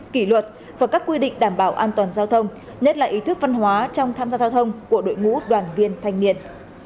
kỷ luật và các quy định đảm bảo an toàn giao thông nhất là ý thức văn hóa trong tham gia giao thông của đội ngũ đoàn viên thanh niên